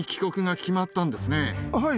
はい。